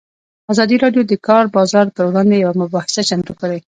ازادي راډیو د د کار بازار پر وړاندې یوه مباحثه چمتو کړې.